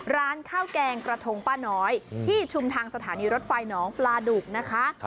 ร้านข้าวแกงกระทงป้าน้อยที่ชุมทางสถานีรถไฟหนองปลาดุกนะคะ